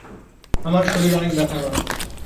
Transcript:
আমার শরীর অনেক ব্যথা করে।